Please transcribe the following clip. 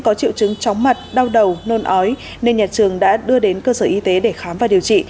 có triệu chứng chóng mặt đau đầu nôn ói nên nhà trường đã đưa đến cơ sở y tế để khám và điều trị